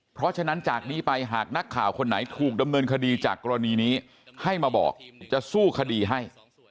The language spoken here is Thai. เพราะฉะนั้นจากนี้ไปหากนักข่าวคนไหนถูกดำเนินคดีจากกรณีนี้ให้มาบอกจะสู้คดีให้